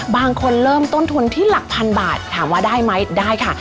บางคนเริ่มต้นทุนที่หลักพันบาทถามว่าได้ไหมได้ค่ะ